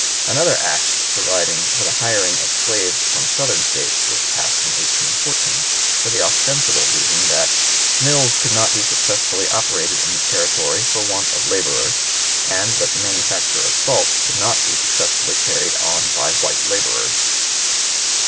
Another act providing for the hiring of slaves from Southern States was passed in 1814, for the ostensible reason that "mills could not be successfully operated in the territory for want of laborers, and that the manufacture of salt could not be successfully carried on by white laborers."